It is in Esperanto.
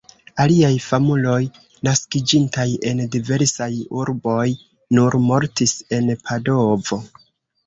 Aliaj famuloj, naskiĝintaj en diversaj urboj, nur mortis en Padovo.